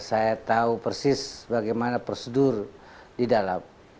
saya tahu persis bagaimana prosedur di dalam